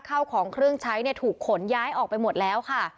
เข้าของเครื่องใช้ถูกขนย้ายออกไปหมดแล้วค่ะ